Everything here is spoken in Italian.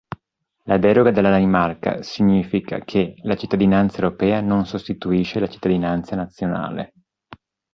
La deroga della Danimarca significa che "la cittadinanza europea non sostituisce la cittadinanza nazionale".